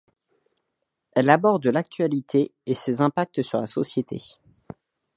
Elle aborde l'actualité et ses impacts sur la société.